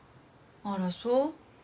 あらそう？